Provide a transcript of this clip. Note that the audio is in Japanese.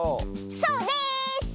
そうです！